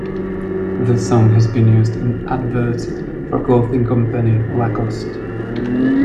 The song has been used in adverts for clothing company Lacoste.